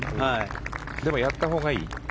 でも、やったほうがいい？